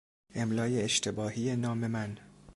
املای اشتباهی نام من